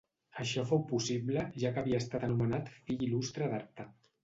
Això fou possible, ja que havia estat anomenat Fill Il·lustre d'Artà.